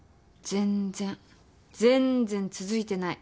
全然続いてない。